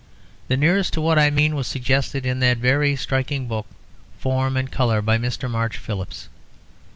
The nearest to what I mean was suggested in that very striking book Form and Colour, by Mr. March Philips.